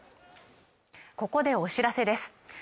ここでお知らせです